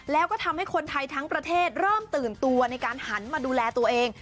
แล้วก็ทำให้คนไทยทั้งประเทศเริ่มตื่นตัวในการหันมาดูแลตัวเอง